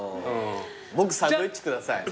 僕サンドイッチ下さい。